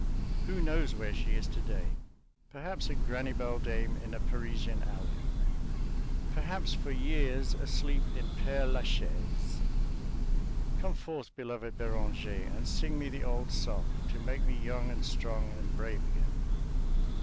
Who knows where she is to day? Perhaps a granny beldame in a Parisian alley; perhaps for years asleep in Pere la Chaise. Come forth, beloved Beranger, and sing me the old song to make me young and strong and brave again!